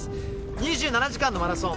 「２７時間」のマラソン